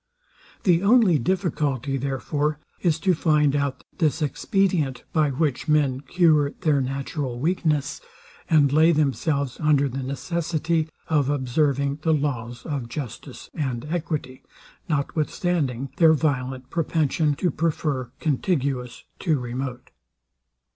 The only difficulty, therefore, is to find out this expedient, by which men cure their natural weakness, and lay themselves under the necessity of observing the laws of justice and equity, notwithstanding their violent propension to prefer contiguous to remote.